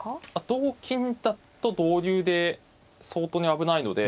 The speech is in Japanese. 同金だと同竜で相当に危ないので。